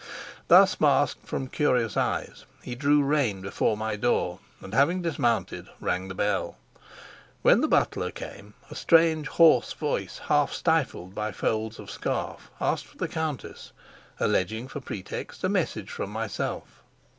Thus masked from curious eyes, he drew rein before my door, and, having dismounted, rang the bell. When the butler came a strange hoarse voice, half stifled by folds of scarf, asked for the countess, alleging for pretext a message from myself.